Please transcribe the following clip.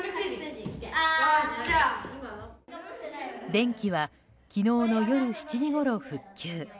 電気は昨日の夜７時ごろ復旧。